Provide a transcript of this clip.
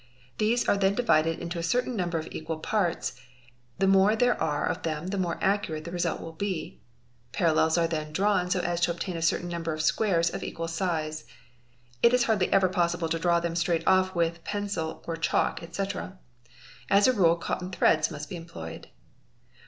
These are then V 9| 6 vy' divided into a certain number of equal parts, the more there are A. 6B co U6UDbthCUrE of them the more accurate the A teae result will be; parallels are then — fee a drawn so as to obtain a certain a'be'a'e! number of squares of equal size. Fig. 85. It is hardly ever possible to draw them straight off with pencil or chalk, etc.; as a rule cotton threads must be employed.